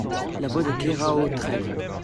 La voix de Keraotred.